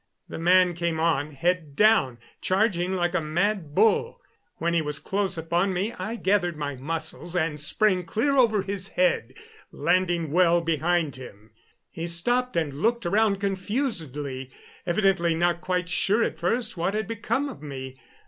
The man came on, head down, charging like a mad bull. When he was close upon me I gathered my muscles and sprang clear over his head, landing well behind him. He stopped and looked around confusedly, evidently not quite sure at first what had become of me.